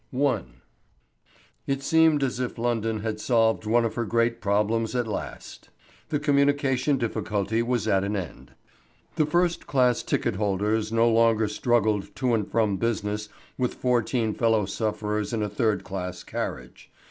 I. It seemed as if London had solved one of her great problems at last. The communication difficulty was at an end. The first class ticket holders no longer struggled to and from business with fourteen fellow sufferers in a third class carriage.